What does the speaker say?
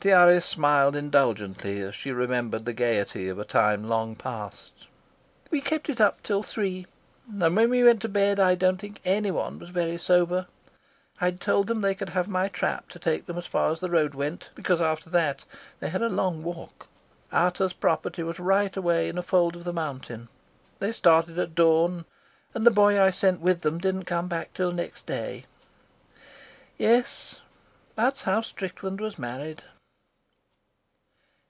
Tiare smiled indulgently as she remembered the gaiety of a time long passed. "We kept it up till three, and when we went to bed I don't think anyone was very sober. I had told them they could have my trap to take them as far as the road went, because after that they had a long walk. Ata's property was right away in a fold of the mountain. They started at dawn, and the boy I sent with them didn't come back till next day. "Yes, that's how Strickland was married."